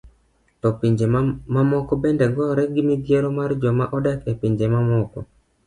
To pinje mamoko bende gore gi midhiero mar joma odar e pinje mamoko?